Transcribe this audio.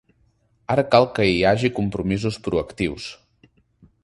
Ara cal que hi hagi compromisos proactius.